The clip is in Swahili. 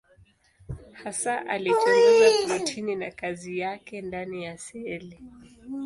Hasa alichunguza protini na kazi yake ndani ya seli.